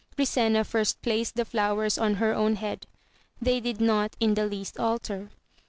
Brisena first placed the flowers on her own head, they did not in the least alter.